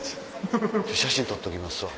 写真撮っときますわ。